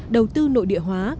đầu tư nội địa hóa